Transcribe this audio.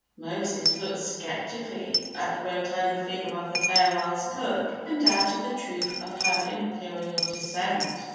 Moses looked sceptically at the rotund figure of the Farwell's cook and doubted the truth of her imperial descent.